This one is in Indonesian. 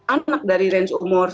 anak dari range umur